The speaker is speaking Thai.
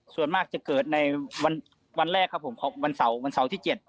ส่วนมากจะเกิดในวันแรกครับผมครับวันเสาร์วันเสาร์ที่๗